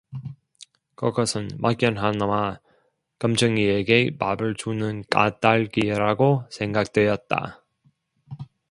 그것은 막연하나마 검정이에게 밥을 주는 까닭이라고 생각되었다.